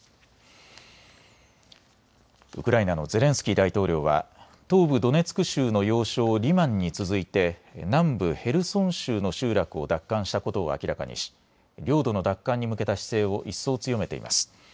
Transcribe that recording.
ウクライナのゼレンスキー大統領は東部ドネツク州の要衝リマンに続いて南部ヘルソン州の集落を奪還したことを明らかにし領土の奪還に向けた姿勢を一層、強めています。